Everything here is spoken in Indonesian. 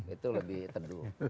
itu lebih teduh